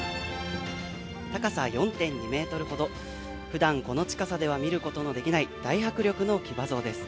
高さ４．２メートルほど、ふだん、この近さでは見ることのできない、大迫力の騎馬像です。